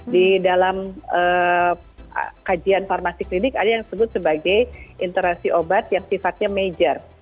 di dalam kajian farmasi klinik ada yang disebut sebagai interaksi obat yang sifatnya major